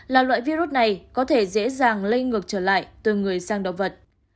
là loại virus này có thể dễ dàng lây ngược trở lại từ người sang động vật